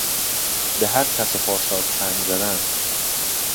به هر خس و خاشاک چنگ زدن